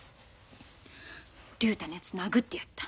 竜太のやつ殴ってやった。